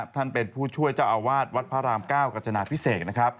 ท่านเป็นผู้ช่วยเจ้าอาวาสวัดพระราม๙กัจจนาพิเศษ